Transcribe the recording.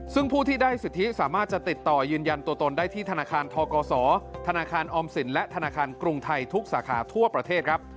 ซึ่งผู้ที่ได้สิทธิสามารถจะติดต่อยืนยันตัวตนได้ที่ธนาคารทกศธนาคารออมสินและธนาคารกรุงไทยทุกสาขาทั่วประเทศครับ